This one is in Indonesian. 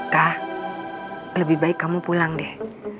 kah lebih baik kamu pulang deh